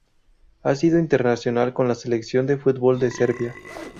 Ha sido internacional con la selección de fútbol de Serbia.